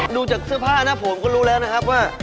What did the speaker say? ดูจากเสื้อผ้านะผมก็รู้แล้วนะครับว่า